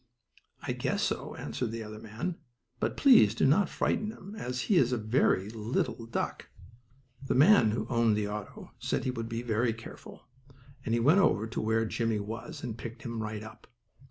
"I guess so," answered the other man. "But please do not frighten him, as he is very little." The man who owned the auto said he would be careful, and he went over to where Jimmie was, and picked him right up.